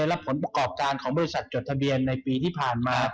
และผลประกอบการของบริษัทจดทะเบียนในปีที่ผ่านมา